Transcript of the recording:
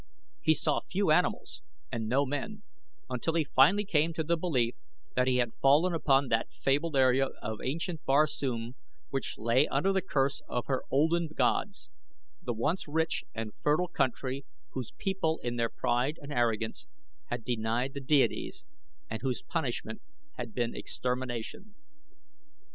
He saw few animals and no men, until he finally came to the belief that he had fallen upon that fabled area of ancient Barsoom which lay under the curse of her olden gods the once rich and fertile country whose people in their pride and arrogance had denied the deities, and whose punishment had been extermination.